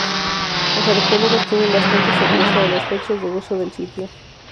Los arqueólogos tienen bastante certeza de las fechas de uso del sitio.